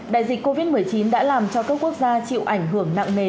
đại dịch covid một mươi chín đã làm cho các quốc gia chịu ảnh hưởng nặng nề